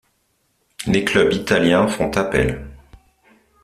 Les clubs italiens font appel.